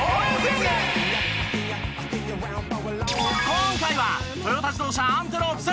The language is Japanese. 今回はトヨタ自動車アンテロープス。